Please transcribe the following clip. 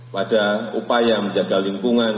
pada upaya menjaga lingkungan